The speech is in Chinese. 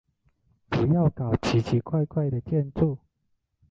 不要搞奇奇怪怪的建筑。